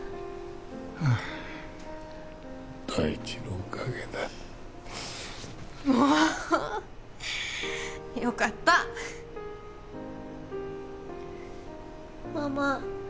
ああ大地のおかげだもうよかったママ